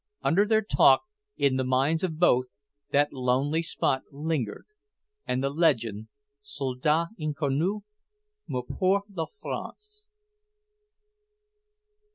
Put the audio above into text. Under their talk, in the minds of both, that lonely spot lingered, and the legend: Soldat Inconnu, Mort pour La France.